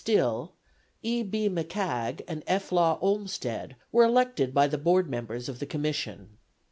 Stille, E. B. McCagg and F. Law Olmstead were elected by the Board members of the Commission.